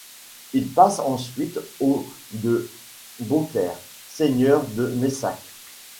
Il passe ensuite aux de Beauclair, seigneurs de Messac.